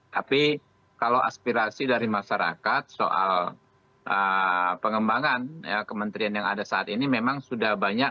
tapi kalau aspirasi dari masyarakat soal pengembangan kementerian yang ada saat ini memang sudah banyak